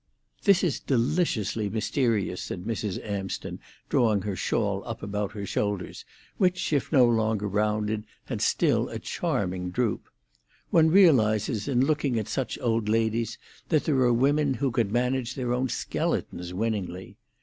"This is deliciously mysterious," said Mrs. Amsden, drawing her shawl up about her shoulders, which, if no longer rounded, had still a charming droop. One realises in looking at such old ladies that there are women who could manage their own skeletons winningly.